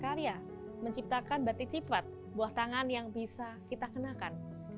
menjadi mereka yang berkarya menciptakan batik ciprat buah tangan yang bisa kita kenakan